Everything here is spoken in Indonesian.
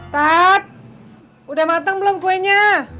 tat udah matang belum kuenya